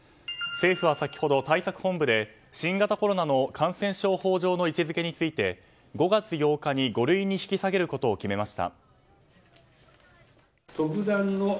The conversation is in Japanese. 政府は先ほど、対策本部で新型コロナの感染症法上の位置づけについて５月８日に五類に引き下げることを決めました。